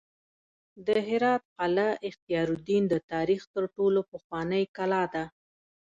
د هرات قلعه اختیارالدین د تاریخ تر ټولو پخوانۍ کلا ده